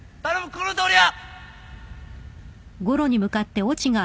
このとおりや！